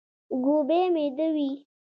ګوبی ميده وي.